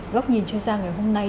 góc nhìn cho ra ngày hôm nay